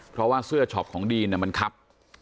เพราะว่าเสื้อช็อปของดีนมันครับ